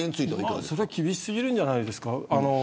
それは厳し過ぎるんじゃないですか。